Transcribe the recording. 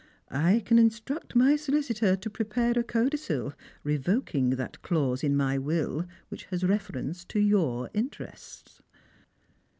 I can instruct my solicitor to i^repare a codicil revoking that clause in my will which has reference to your interests."